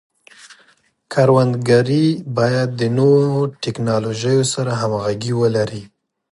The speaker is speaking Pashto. کروندګري باید د نوو ټکنالوژیو سره همغږي ولري.